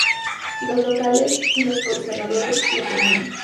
Los locales y los colonizadores le temían.